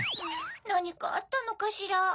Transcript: なにかあったのかしら？